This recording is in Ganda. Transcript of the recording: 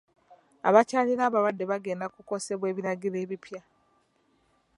Abakyalira abalwadde bagenda kukosebwa ebiragiro ebipya.